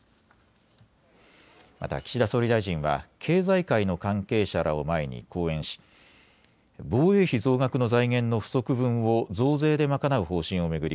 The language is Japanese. また岸田総理大臣は経済界の関係者らを前に講演し防衛費増額の財源の不足分を増税で賄う方針を巡り